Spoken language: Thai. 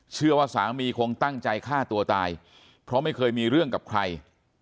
เชื่อว่าสามีคงตั้งใจฆ่าตัวตายเพราะไม่เคยมีเรื่องกับใคร